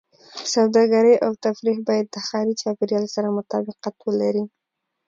سوداګرۍ او تفریح باید د ښاري چاپېریال سره مطابقت ولري.